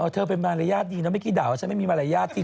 เธอเป็นมารยาทดีนะเมื่อกี้ด่าว่าฉันไม่มีมารยาทจริง